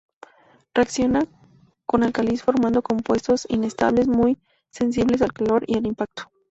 Reacciona con álcalis formando compuestos inestables muy sensibles al calor y al impacto.